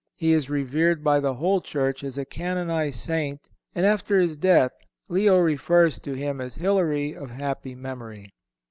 He is revered by the whole Church as a canonized Saint, and after his death, Leo refers to him as Hilary of happy memory.